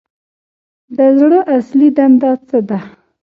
د زړه اصلي دنده څه ده